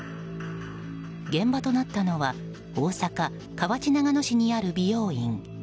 現場となったのは大阪・河内長野市にある美容院。